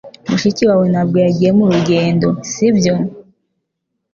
Mushiki wawe ntabwo yagiye mu rugendo, sibyo?